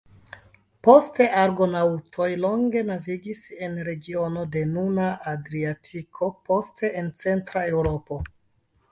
Poste Argonaŭtoj longe navigis en regiono de nuna Adriatiko, poste en centra Eŭropo.